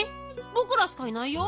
ぼくらしかいないよ。